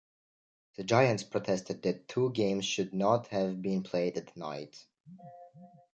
The Giants protested that two games should not have been played at night.